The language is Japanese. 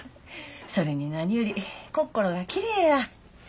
それに何より心がきれいや。